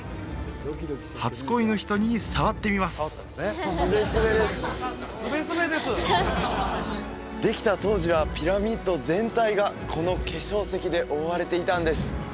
初恋の人に触ってみますできた当時はピラミッド全体がこの化粧石で覆われていたんです